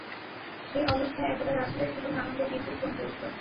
সে অবস্থায় একদা রাসূলের জীবনে আনন্দের বিদ্যুৎ চমকে উঠল।